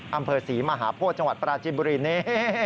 อำเภอศรีมหาโพธิจังหวัดปราจิบุรีนี่